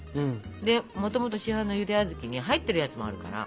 でもともと市販のゆで小豆に入っているやつもあるから。